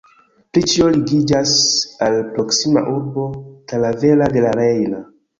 Pri ĉio ligiĝas al proksima urbo Talavera de la Reina.